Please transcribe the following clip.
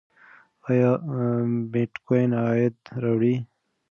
ایا بېټکوین عاید راوړي؟